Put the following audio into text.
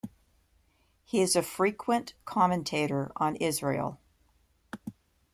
He is a frequent commentator on Israel.